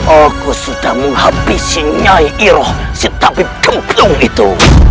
aku sudah menghabisi nyai iroh setabik gemblung itu